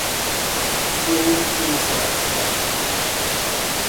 Vou pousar lá